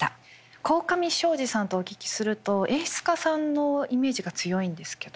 鴻上尚史さんとお聞きすると演出家さんのイメージが強いんですけども。